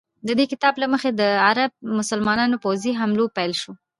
د دې کتاب له مخې د عرب مسلمانانو پوځي حملو پیل شو.